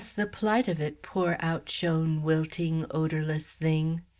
the plight of it, poor outshone, wilting, odorless thing!